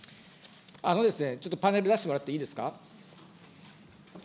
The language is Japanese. ちょっとパネル出してもらっていいですか。